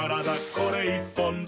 これ１本で」